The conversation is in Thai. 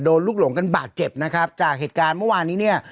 ลูกหลงกันบาดเจ็บนะครับจากเหตุการณ์เมื่อวานนี้เนี่ย